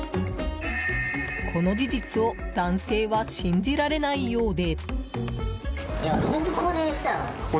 この事実を男性は信じられないようで。